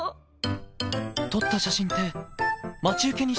撮った写真って待ち受けにしたりしても？